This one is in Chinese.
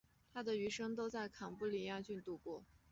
他的余生都在坎布里亚郡度过。